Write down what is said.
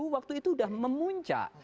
waktu itu sudah memunca